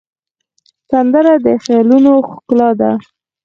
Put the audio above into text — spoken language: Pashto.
سندره د خیالونو ښکلا ده